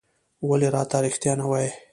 ولې راته رېښتيا نه وايې؟